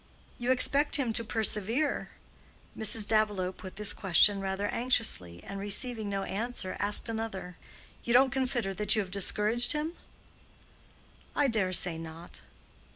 "You expect him to persevere?" Mrs. Davilow put this question rather anxiously, and receiving no answer, asked another: "You don't consider that you have discouraged him?" "I dare say not."